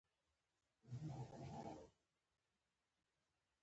زه د فلم نندارې لپاره ځنډ کوم.